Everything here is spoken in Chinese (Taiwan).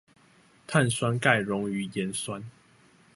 碳酸鈣溶於鹽酸